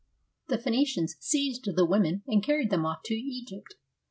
The Phoenicians seized the women and carried them off to Egypt.